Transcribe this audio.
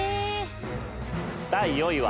第４位は。